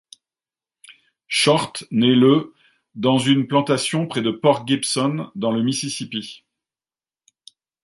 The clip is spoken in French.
Short naît le dans une plantation près de Port Gibson dans le Mississippi.